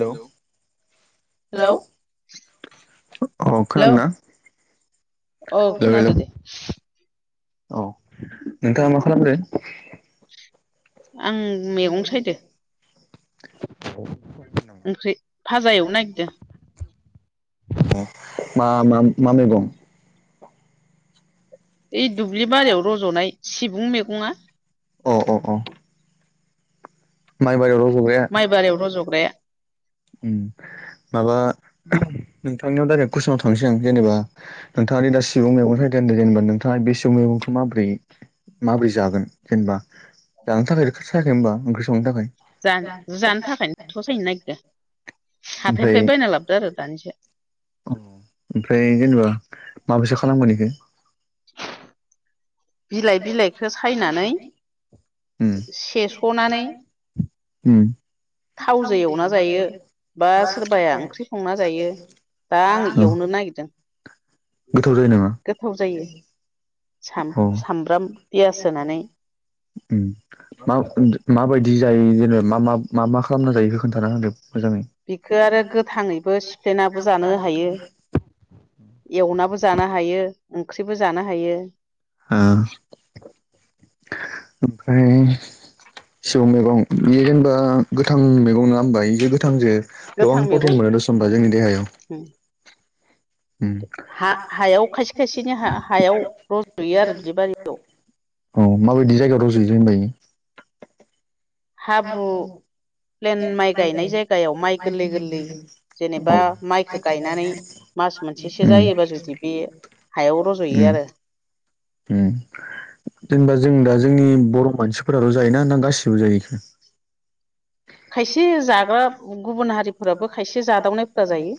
हेल'। Hello अ खोनादोंना? अ हेलौ हेलौ खोनादो दे। औ नोंथाङा मा खालामदो? आं मैगं सायदो [inaudible] ओंख्रि भाजा एवनो नागिरदो। हो मा मा मा मैगं? ओइ दुब्लि बारियाव रज'नाय सिबुं मैगङा। अ अ अ। [inaudible] माबा माइ बारियाव रज'ग्राया नोंथांनियाव डाइरेक्ट कुइसुनाव थांसै आं जेनेबा नोंथाङादि दा सिबुंं मैगं बायदों होनदों जेनेबा नोंथाङा बे मैगंखौ माबोरै माबोरै जागोन जेनेबा जानो थाखायथ' बेखौ सायाखै होमबा ओंख्रि संनो थाखाय जा-जानो थाखायनोथ' सायनो नागिरदो ओमफ्राय हाथायनिफ्राय बायना लाबोदो आरो दानिसो। ओमफ्राय जेनेबा माबायसा खालामगोन इखो? [inaudible] बिलाइ बिलाइखौ सायनानै सेस'नानै ओम। थावजों एवना जायो बा सोरबाया ओंख्रि संना जायो दा आं औ एवनो नागिरदों गोथाव जायो नामा गोथाव जायो साम सामब्राम पियास होनानै ओम। मा माबायदि जायो जेनेबा मा मा मा मा खालामना जायो बेखौ खोन्थाना होदो मोजाङै। बिखो आरो गोथाङैबो सिफ्लेेनाबो जानो हायो एवनाबो जानो हायो ओंख्रिबो जानो हायो। ओ ओमफ्राय सिबौ मैगं बे जेनेबा गोथां मैगं नङा होनबा इखो गोथांजो गोबां गोथां मैगं प्रटिन मोनो दस' होमबा जोंनि देहायाव। ओम। हा हायाव खायसे खायसेनि हा हायाव रज'यो आरो दुब्लि बारियाव ओम माबायदि जायगायाव रज'यो जेनबा इयो? हाब्रु प्लेन माइ गायनाय जायगायाव माइ गोरलै गोरलै औ जेनेबा माइखो गायनानै मास मोनसेसो उम जायोबा जुदि बे हायाव रज'यो आरो। ओम जेनेबा जों दा जोंनि बर' मानसिफोराल' जायोना ना गासिबो जायो? खायसे जाग्रा गुबुन हारिफोराबो खायसे जादावनायफोरा जायो।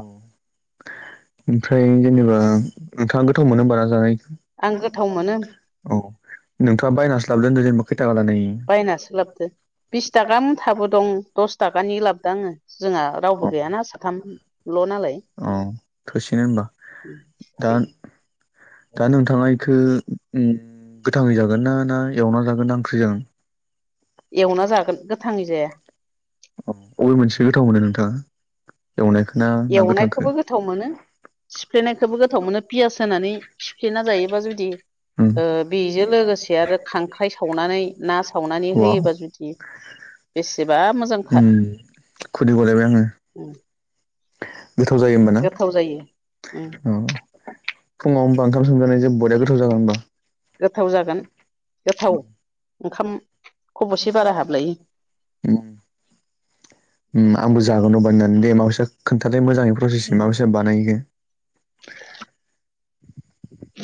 औ ओमफ्राय जेनेबा नोंथाङा गोथाव मोनो होमबा जानाय आं गोथाव मोनो औ नोंथाङा बायनानैसो लाबोदों होनदो जेनेबा खैथाका लानाय इयो? बायनासो लाबदो बिस थाखा मुथाबो दं दस थाखानि लाबदो आङो। जोंहा रावबो गैयाना साथामल' नालाय औ थोसिगोन होमबा। दा दा नोंथाङा बेखौ गोथाङै जागोन ना ना एवना जागोन ना ओंख्रि जागोन? एवना जागोन गोथाङै जाया। अबे मोनसे गोथाव मोनो नोंथाङा? एवनायखौना एवनायखौबो गोथाव मोनो। सिफ्लेनायखौबो गोथाव मोनो पियास होनानै सिफ्लेना जायोबा जुदि उम ओ बेजो लोगोसे आरो खांख्राइ सावनानै ना सावनानै वाव होयोबा जुदि बेसेबा मोज ओम खुदै गलायबाय आङो। [inaudible] गोथाव जायो होमबाना गोथाव जायो उम अह फुङाव होमबा ओंखाम सोमजानायजों बरेया गोथाव जागोन होमबा। गोथाव जागोन गोथाव ओंखाम खबसे बारा हाबलायो आंबो जागोन अबाय होननानै दे माबैसो खोनथादो मोजाङै प्रसेस उम माबासे बानायगोन?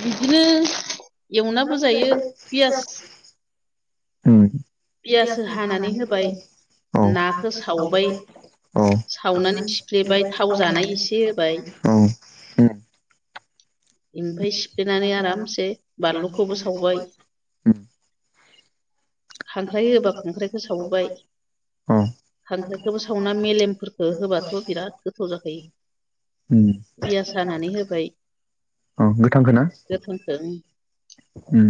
बिदिनो एवनाबो जायो पियास पियास उम हानानै होबाय [inaudible] नाखौ औ सावबाय [inaudible] सावनानै सिफ्लेबाय औ थाव जानाय एसे होबाय [inaudible] औ ओमफ्राय सिफ्लेनानै आरामसे [unintelligible] बानलुखौबो सावबाय उम खांख्राइ होबा खांख्राइखौ सावबाय अ खांख्राइखौबो सावना मेलेमफोरखो होबाथ' बिराद गोथाव जाखायो। उम पियास हानानै होबाय अ गोथांखौ ना? [unintelligible] उम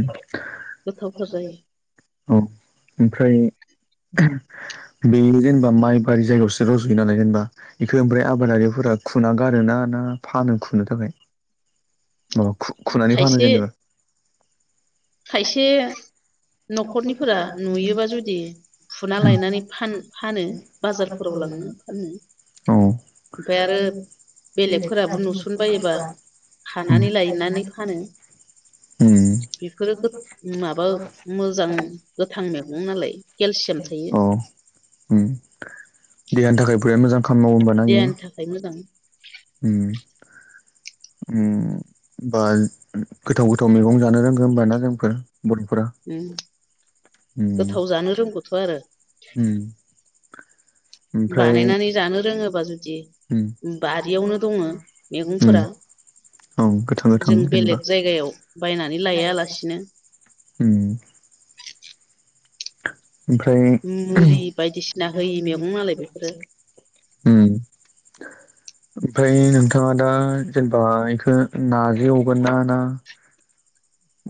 गोथावथार जायो [inaudible] औ ओमफ्राय [inaudible] बे जेनेबा माइ बारि जायगायावसो रज'यो नालाय जेनबा बेखौ ओमफ्राय आबादारिफोरा खुना गार ना ना फानो खुननो थाखाय? औ खु-खुनानै फानो खायसे जेनेबा खायसे [unintelligible] न'खरनिफोरा नुयोबा जुदि फुना लायनानै फान-फानो बाजारफोराव लाङो फान्नो औ ओमफ्राय आरो बेलेगफोराबो नुसनबायोबा खानानै लायनानै फानो। उम बेफोरो गो- माबा मोजां गोथां मैगं नालाय केलसियाम थायो। उम, देहानि थाखाय बुराया मोजां खामानि मावो होनब ना बियो? जाय मोजां उम उम बा गो-गोथाव गोथाव मैगं जानो रोंङो होनोमब ना जोंफोर बर'फोरा उम हम गोथाव जानो रोंगौथ' आरो [inaudible] उम बानायनानै जानो रोङोबा जुदि बारियावनो दङो मैगंफोरा। औ गोथां गोथां जों जेनेबा बेलेग जायगायाव बायनानै लायालासिनो [inaudible] उम। ओमफ्राय [inaudible] मुलि बायदिसिना होयि मैगं नालाय बेफोरो होम ओमफ्राय नोंथाङा दा जेनेबा इखौ नजि एवगोन ना ना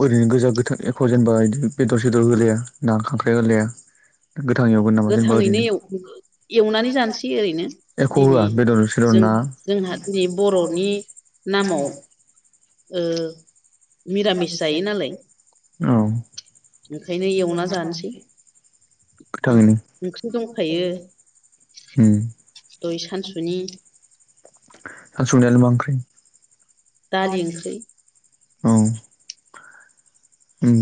ओरैनो गोजा गोथां एख' जेनेबा बिदि बेदर सेदर होलाया ना खांख्राय होलाया। गोथां एवगोन नामा जेनेबा गोथाङैनो ओरैनो? एव एवनानै जानोसै ओरैनो [inaudible] एख' दिनै होआ बेदर सदर जों ना? जोंहा दिनै बर'नि नामाव ओ निरामिस जायो नालाय। औ ओंखायनो एवना जानोसै ओं गोथाङैनो ओंख्रि दंखायो उम दइ सानसुनि दा संनायालाय मा ओंख्रि दालि ओंख्रि औ [inaudible] उम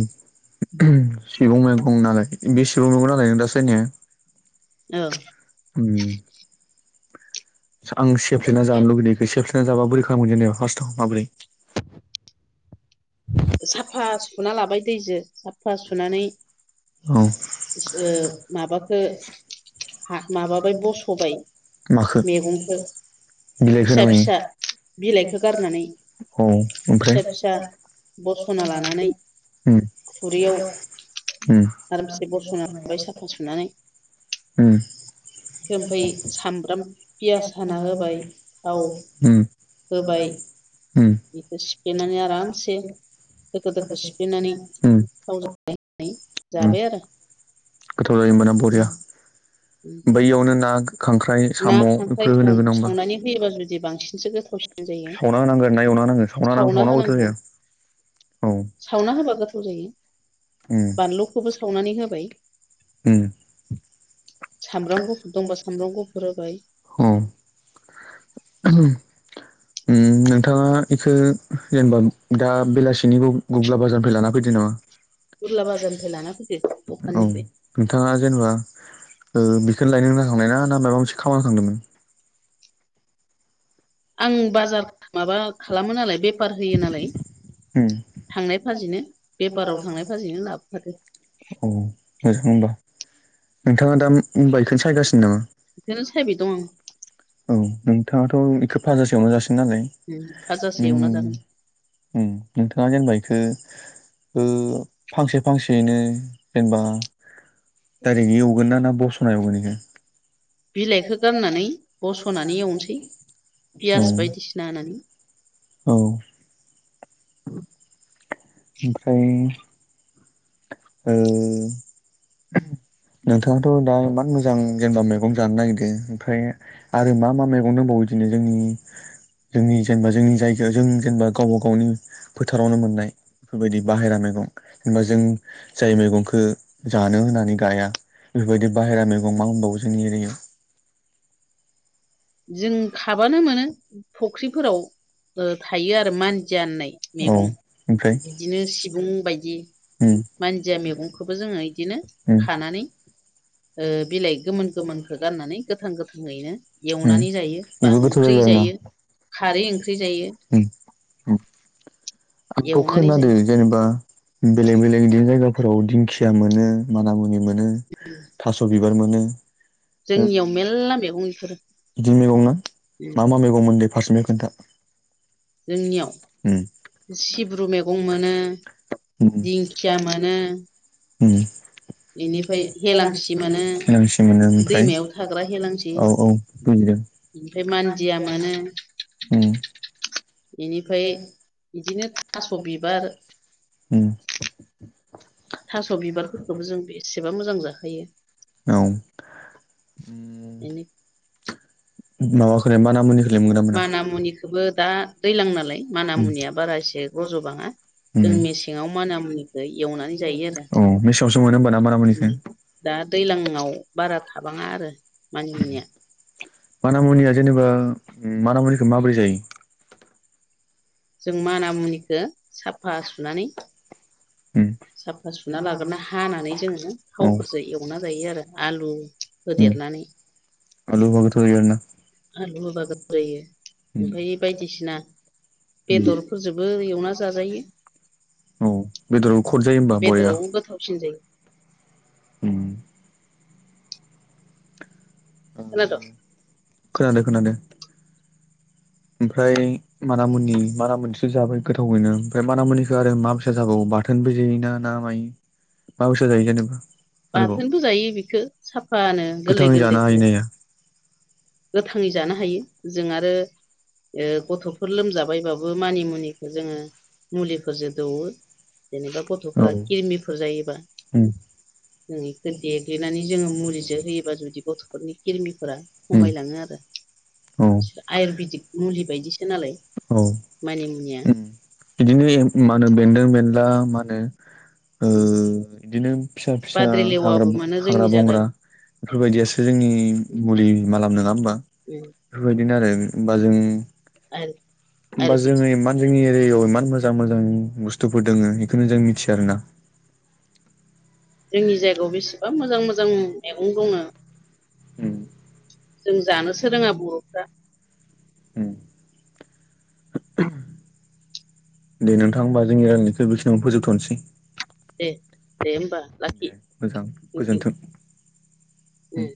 सिगं मैगं नालाय? बे सिगुं मैगं नालाय दा नों सायनाया औ उम आं सेफ्ले जानो लुबैनायखौ सेफ्लेना जाबा बोरै खालाम मोन जेननायाव फार्टआव माबोरै साफा सुना लाबाय दैजों साफा सुनानै औ ओ माबाखो हा माबाबाय बस'बाय माखो मैगंखौ बिलाइखोना फिसा फिसा मायो बिलाइखौ गारनानै औ ओमफ्राय फिसा फिसा बस'ना लानानै उम उम जेबर संना हाबबाय साफा सुनानै ओमफ्राय सामब्राम उम पियास हाना होबाय थाव उम होबाय बेखौ सिफ्लेनानै उम आरामसे दोखो दोखो सिफ्लेनानै उम थावजों जाबाय आरो उम गोथाव जायो होमबाना बरिया बैयावनो ना खांख्राइ ना साम' खांख्राइ बेफोर होनो गोनांबा सावनानै होयोबा जुदि बांसिनसो गोथावसिन जायो सावना होनांगोन ना एवना होनांगोन सावना सावनांगथ' जायो औ सावना होबा गोथाव जायो बानलुखौबो उम सावनानै उम सामब्रामखौ गुफुर दंबा सामब्राम गुफुर होबाय उम उम नोंथाङा बेखौ जेनेबा दा बेलासिनिखौ गग्ला बाजारनिफ्राय लाना फैदो नामा बुरला बाजारनिफ्राय लाना फैदो औ दखाननिफ्राय नोंथाङा जेनबा ओ बेखौनो लायनो होनना थांनाय ना माबा मोनसे खामानि थांदोंमोन आं बाजार माबा खालामो नालाय बेफार होयो नालाय उम थांनाय फाजिनो बेफाराव थांनाय फाजिनो लाबोफादों औ मोजां होमबा नोंथाङा दा बाइखौनो सायगासिनो नामा बेखौनो सायबाय दं औ नोंथाङाथ बेखौ फाजासेयावनो जासिग नालाय आं फाजासो एवना जागोन उम नोंथाङा जेनबा बेखो ओ फांसे फांसेयैनो जेनबा डायरेक्ट एवगोन ना बस'ना एवगोन बेखौ बिलाइखौ गारनानै बस'नानै एवनोसै बेखौ औ पियास बायदिसिना होनानै औ ओमफ्राय ओ [inaudible] नोंथाङाथ' दा इमान मोजां जेनेबा मैगं जानो नागिरदों ओमफ्राय आरो मा मा मैगं दंबावो बिदिनो जोंनि जोंनि जेनबा जोंनि जायगायाव जों जेनबा गावबा गावनि फोथारावनो मोननाय बेफोरबायदि बाहेरा मैगं जेनबा जों जाय मैगंखौ जानो होननानै गाया बेफोरबायदि बाहेरा मैगं मा होमबावो जोंनि एरै जों खाबानो मोनो फख्रिफोराव ओ थायो आरो मानजिया होननाय औ मैगं ओमफ्राय बिदिनो सिबुं बायदि उम मानजिया मैगंखौबो जोङो इदिनो उम खानानै ओ बिलाइ गोमोन गोमोनखौ गाननानै गोथां गोथाङैनो उम एवनानै जायो बा ओंख्रि आरोना जायो। खारै ओंख्रि जायो। उम उम आंथ' एवनानै खोनादो जायो जेनेबा बेलेग बेलेग इदि जायगाफोराव दिंखिया मोनो माना मुनि मोनो थास' बिबार मोनो। जोंनियाव मेरला मैगं इफोरो बिदि मैगं ना मा मा मैगंमोन दे फारसनिफ्राय खोनथा। जोंनियाव सिब्रु मैगं मोनो दिंखिया मोनो इनिफ्राय हेलांसि मोनो दैमायाव थाग्रा हेलांसि [inaudible] [inaudible] [unintelligible] औ औ बुजिदों ओमफ्राय मान्दिया मोनो उम बेनिफ्राय बिदिनो थास' बिबार उम थास' बिबारफोरखौबो जों बेसेबा मोजां जाखायो औ बेनि माबाखौ माना मुनिखो माना मुनिखौबो दा दैलां नालाय माना मुनिया बारा एसे रज'बाङा। जों मेसेङाव माना मुनिखौ एवनानै जायो आरो। औ मेसेङावसो मोनो होमबा ना मानामुनिखौ दा दैज्लांयाव बारा थाबाङा आरो मानि मुनिया। मानामुनिया जेनेबा मानामुनिखौ माबोरै जायो? जों माना मुनिखौ साफा सुनानै उम साफा सुना लाग्रोना हानानै जोङो औ थावफोरजों एवना जायो आरो आलु होदेरनानै। आलु होबा गोथाव जायो आरोना? आलु होबा गोथाव जायो ओमफ्राय बायदिसिना उम बेदरफोरजोंबो एवना जाजायो। औ बेदरावबो खदजायो होमबा बरिया। बेदराव गोथावसिन जायो। उम खोनादो? खोनादों खोनादों। ओमफ्राय मानामुनि मानामुनिसो जाबाय गोथावैनो ओमफ्राय मानामुनिखौ आरो मा बायसा जाबावो बाथोनबो जायोना ना मायो मा बायसा जायो जेनेबा? आरोबाव बाथोनबो जायो बेखौ साफानो गोरलै गोथाङै जानो हायो ना गोरलैखो। हाया गोथाङै जानो हायो जों आरो ओ गथ'फोर लोमजाबायबाबो मानि मुनिखौ जोङो मुलिफोरजों दौवो। जेनेबा औ गथ'फोरा किरमिफोर जायोबा उम जों बेखौ देग्लिनानै जोङो मुलिजों होयोबा जुदि गथ'फोरनि खिरमिफोरा उम खमायलाङो आरो औ आयुरवेदिक। मुलि बायदिसो नालाय औ मानि मुनिया उम बिदिनो मा होनो बेन्दों बेनला मा होनो ओ बिदिनो फिसा फिसा बाद्रि लेवाबो हाग्रा मोनो जोंनि हाग्रा बंग्रा जायगायाव बेफोरबायदियासो जोंनि मुलि माला नङा होमबा? बेफोरबायदिनो आरो होमबा जों [inaudible] होमबा आयुरवेदिक जोङो इमान जोंनि एरियायाव इमान मोजां मोजां बुस्थुफोर दङ इखौनो जों मिथिया आरो ना। जोंनि जायगायाव बेसेबा मोजां मोजां मैगं दङ। [inaudible] जों जानोसो रोङा बर'फ्रा। उम दे नोंथां होमबा जोंनि रायलायनायखौ बेखिनियावनो फोजोबथ'नोसै। दे दे होमबा दे मोजां गोजोनथों। उम।